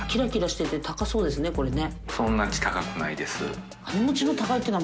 これね。